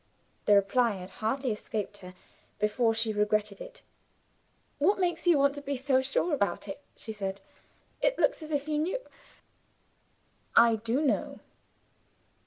The reply had hardly escaped her before she regretted it. "What makes you want to be so sure about it?" she said. "It looks as if you knew " "I do know."